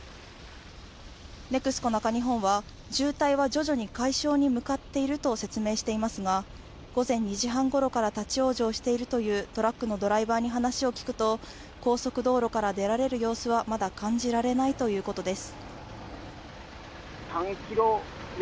ＮＥＸＣＯ中日本は渋滞は徐々に解消に向かっていると説明していますが午前２時半ごろから立往生しているというトラックのドライバーに話を聞くと、高速道路から出られる様子はまだ感じられないということです。